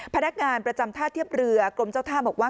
พนักงานประจำท่าเทียบเรือกรมเจ้าท่าบอกว่า